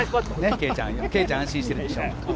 圭ちゃん安心してるでしょ。